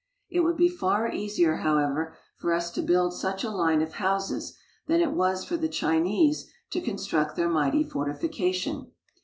It would be far easier, however, for us to build such a line of houses, than it was for the Chinese to construct their mighty fortifi cation.